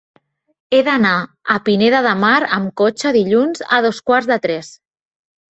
He d'anar a Pineda de Mar amb cotxe dilluns a dos quarts de tres.